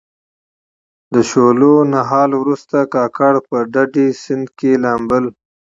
د شولو نهال وروسته کاکړ په ډډي سیند کې لامبل.